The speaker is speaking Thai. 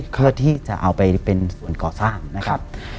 เพื่อที่จะเอาไปเป็นส่วนก่อสร้างนะครับ